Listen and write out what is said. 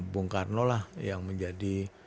bung karno lah yang menjadi